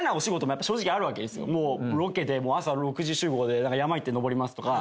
ロケで朝６時集合で山行って登りますとか。